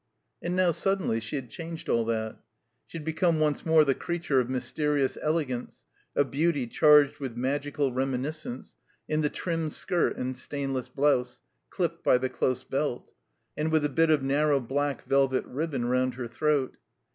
And now, suddenly, she had changed all that. She had become once more the creature of mysteri ous elegance, of beauty charged with magical reminis cence, in the trim skirt and stainless blouse, clipped by the dose belt; and with the bit of narrow black velvet ribbon round her throat.